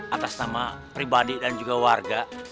atas nama pribadi dan juga warga